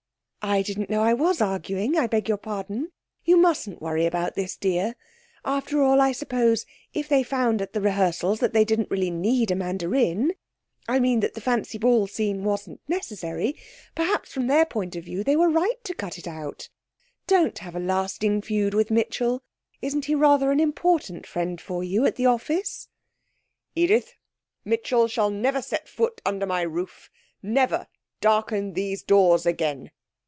'I didn't know I was arguing. I beg your pardon. You mustn't worry about this, dear. After all, I suppose if they found at the rehearsals that they didn't really need a mandarin I mean, that the fancy ball scene wasn't necessary perhaps from their point of view they were right to cut it out. Don't have a lasting feud with Mitchell isn't he rather an important friend for you at the office?' 'Edith, Mitchell shall never set foot under my roof never darken these doors again!'